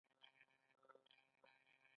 د تخار په کلفګان کې د مالګې کان شته.